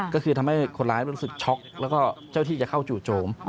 ก็คือทำให้คนร้ายรู้สึกช็อกแล้วก็เจ้าที่จะเข้าจู่โจม